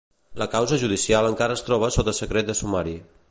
La causa judicial encara es troba sota secret de sumari.